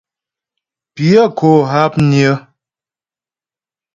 Pyə̂ kó hápnyə́.